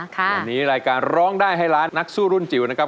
วันนี้รายการร้องได้ให้ล้านนักสู้รุ่นจิ๋วนะครับ